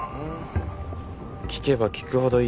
聞けば聞くほどいい奴ですね